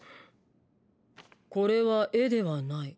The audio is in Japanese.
「これは絵ではない。